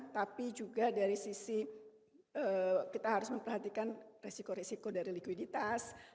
tapi juga dari sisi kita harus memperhatikan resiko resiko dari likuiditas